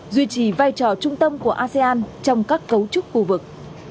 duy trì vai trò trung tâm của asean trong các cấu trúc khu vực